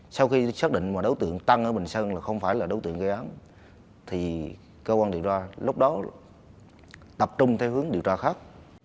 sau khi xác định đấu tượng tăng ở bình sơn không phải đấu tượng gây ám cơ quan điều tra lúc đó tập trung theo hướng điều tra khác